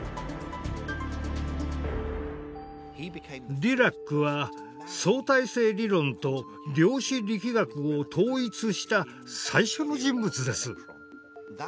ディラックは相対性理論と量子力学を統一した最初の人物です。